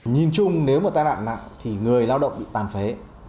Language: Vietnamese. nhìn chung nếu mà tai nạn nặng thì người lao động bị tàn phế